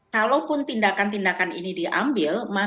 kalaupun tindakan tindakan ini diambil